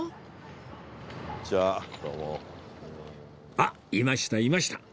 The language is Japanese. あっいましたいました